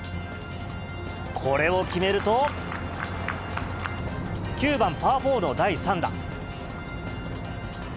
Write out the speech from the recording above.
これを決めると、９番パー４の第３打。